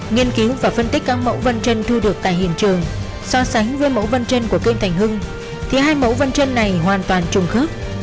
nghiên cứu và phân tích các mẫu vân chân thu được tại hiện trường so sánh với mẫu vân chân của kim thành hưng thì hai mẫu vân chân này hoàn toàn trùng khớp